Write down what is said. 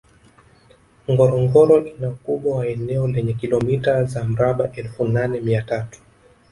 Ngorongoro ina ukubwa wa eneo lenye kilomita za mraba elfu nane mia tatu